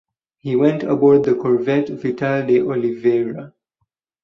He went aboard the corvette "Vital de Oliveira".